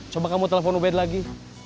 coba kamu telepon ubed lagi